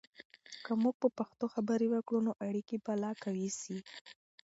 که موږ په پښتو خبرې وکړو، نو اړیکې به لا قوي سي.